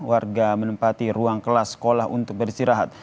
warga menempati ruang kelas sekolah untuk beristirahat